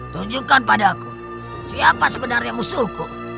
tunjukkan padaku siapa sebenarnya musuhku